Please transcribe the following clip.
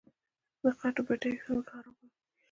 د خښتو بټۍ ځمکه خرابوي؟